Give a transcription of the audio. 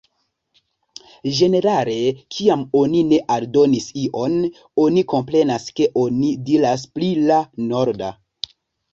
Ĝenerale, kiam oni ne aldonis ion, oni komprenas ke oni diras pri la "norda".